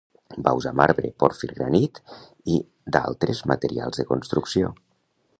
Van usar marbre, pòrfir, granit i d'altres materials de construcció.